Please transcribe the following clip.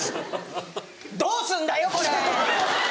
どうすんだよこれ！